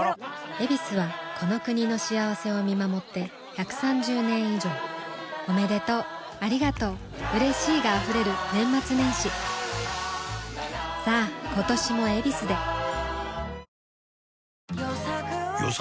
「ヱビス」はこの国の幸せを見守って１３０年以上おめでとうありがとううれしいが溢れる年末年始さあ今年も「ヱビス」で与作は木をきる与作？